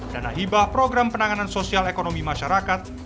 dan ahibah program penanganan sosial ekonomi masyarakat